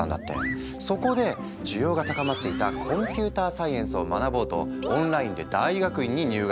そこで需要が高まっていたコンピューターサイエンスを学ぼうとオンラインで大学院に入学。